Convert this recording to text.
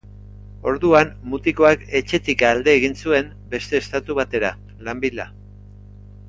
Orduan, mutikoak etxetik alde egin zuen beste estatu batera, lan bila.